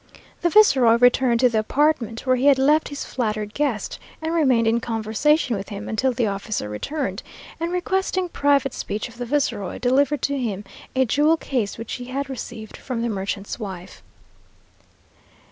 The viceroy returned to the apartment where he had left his flattered guest, and remained in conversation with him until the officer returned, and requesting private speech of the viceroy, delivered to him a jewel case which he had received from the merchant's wife.